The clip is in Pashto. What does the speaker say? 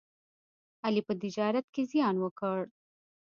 علي په تجارت کې زیان وکړ.